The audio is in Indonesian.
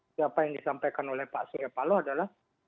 siapa yang disampaikan oleh pak surya paloh adalah